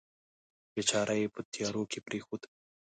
بیچاره یې په تیارو کې پرېښود.